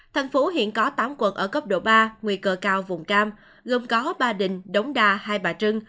thành phố hiện có tám quận ở cấp độ ba nguy cơ cao vùng cam gồm có ba đình đống đa hai bà trưng